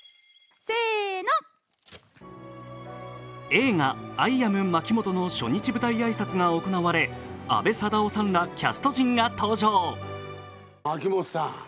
映画「アイ・アムまきもと」の初日舞台挨拶が行われ阿部サダヲさんらキャスト陣が登場。